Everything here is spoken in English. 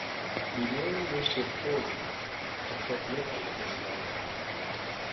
We merely wish to employ you to help locate a missing item.